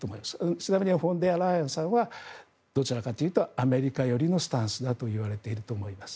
ちなみにフォンデアライエンさんはどちらかというとアメリカ寄りのスタンスだといわれていると思います。